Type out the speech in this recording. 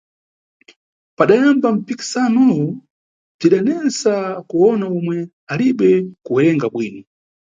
Padayamba mpikisanoyo, bzidanesa kuwona omwe alibe kuwerenga bwino.